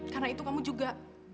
karena itu kamu juga